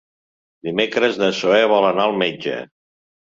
Dimecres na Zoè vol anar al metge.